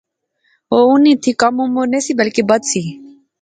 او انیں تھی کم عمر نہسی بلکہ بدھ سی